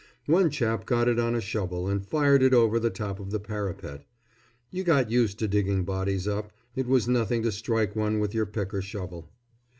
One chap got it on a shovel and fired it over the top of the parapet. You got used to digging bodies up it was nothing to strike one with your pick or shovel.